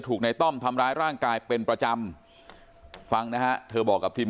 ในต้อมทำร้ายร่างกายเป็นประจำฟังนะฮะเธอบอกกับทีม